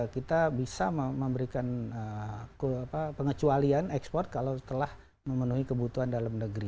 kita bisa memberikan pengecualian ekspor kalau telah memenuhi kebutuhan dalam negeri